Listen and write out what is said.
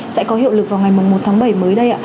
sẽ có hiệu lực vào ngày một tháng bảy mới đây ạ